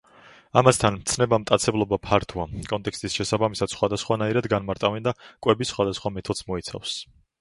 ამასთან, ცნება მტაცებლობა ფართოა, კონტექსტის შესაბამისად სხვადასხვანაირად განმარტავენ და კვების სხვადასხვა მეთოდს მოიცავს.